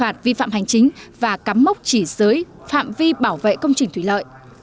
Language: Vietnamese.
tạm hành chính và cắm mốc chỉ giới phạm vi bảo vệ công trình thủy lợi